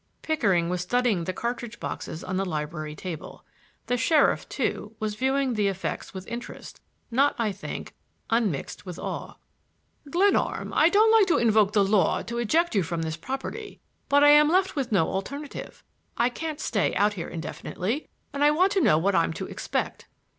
Pickering was studying the cartridge boxes on the library table. The sheriff, too, was viewing these effects with interest not, I think, unmixed with awe. "Glenarm, I don't like to invoke the law to eject you from this property, but I am left with no alternative. I can't stay out here indefinitely, and I want to know what I'm to expect."